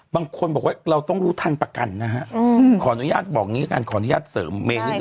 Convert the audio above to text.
บางคนบอกว่าเราต้องรู้ทันประกันนะฮะขออนุญาตบอกอย่างนี้แล้วกันขออนุญาตเสริมเมนนิดน